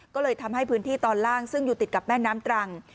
ก็เลยทำให้พื้นที่ตอนล่างซึ่งอยู่ติดกับแม่น้ำตรัง